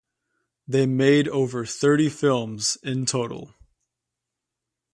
They made over thirty films in total.